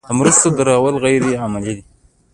د مرستو درول غیر عملي دي.